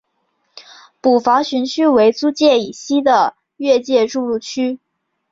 捕房巡区为租界以西的越界筑路区。